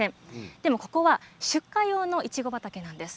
でも、ここは出荷用のいちご畑なんです。